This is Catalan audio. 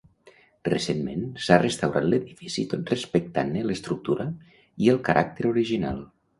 Recentment s'ha restaurat l'edifici tot respectant-ne l'estructura i el caràcter original.